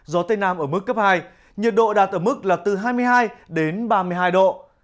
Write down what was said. gió tây nam ở mức cấp hai nhiệt độ đạt ở mức là từ hai mươi hai đến ba mươi hai độ